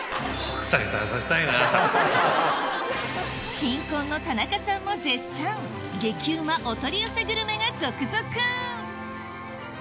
新婚の田中さんも絶賛激ウマお取り寄せグルメが続々！